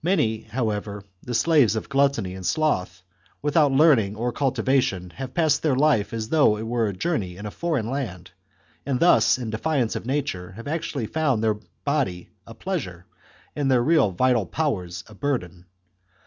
Many, how ever, the slaves of gluttony and sloth, without learning or cultivation, have passed through life as though it were a journey in a foreign land, and thus, in defiance of nature, have actually found their body a pleasure and their real vital powers a burden.